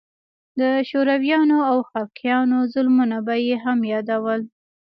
د شورويانو او خلقيانو ظلمونه به يې هم يادول.